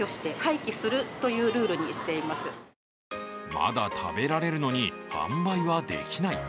まだ食べられるのに販売はできない。